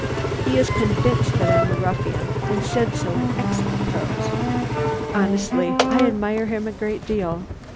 He is convinced that I'm a ruffian, and said so in excellent prose. Honestly, I admire him a great deal.